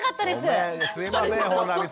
ごめんすいません本並さん。